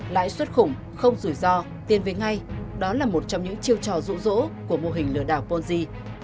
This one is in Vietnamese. lãi suất khủng không rủi ro tiền về ngay đó là một trong những chiêu trò rũ rỗ của mô hình lừa đảo ponzi